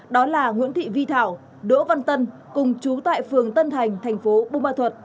đó là nguyễn thị vi thảo đỗ văn tân cùng chú tệ phường tân thành tp hcm